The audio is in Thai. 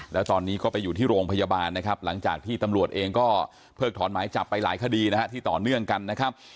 แล้วตอนนี้ก็ไปอยู่ที่โรงพยาบาลนะครับหลังจากที่ตำรวจเองก็เพิกถอนหมายจับไปหลายคดีนะฮะที่ต่อเนื่องกันนะครับ